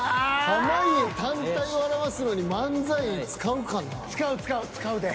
濱家単体を表すのに使う使う使うで。